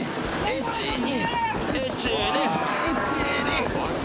１・２！